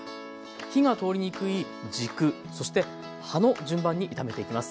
火が通りにくい軸そして葉の順番に炒めていきます。